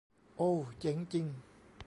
โอว เจ๋งจริง